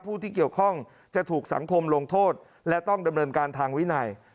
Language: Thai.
ผู้ที่เกี่ยวข้องจะถูกสังคมลงโทษและต้องดำเนินการทางวินัย